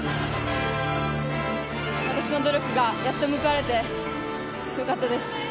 私の努力がやっと報われて、よかったです。